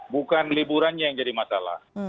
bukan liburannya yang jadi masalah